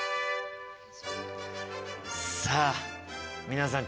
さあ皆さん